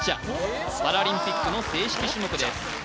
あパラリンピックの正式種目です